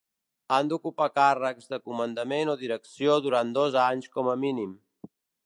Han d'ocupar càrrecs de comandament o direcció durant dos anys com a mínim.